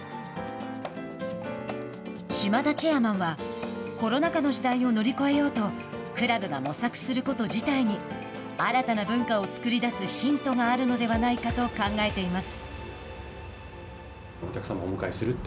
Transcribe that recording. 島田チェアマンはコロナ禍の時代を乗り越えようとクラブが模索すること自体に新たな文化をつくり出すヒントがあるのではないかと考えています。